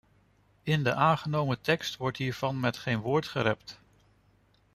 In de aangenomen tekst wordt hiervan met geen woord gerept.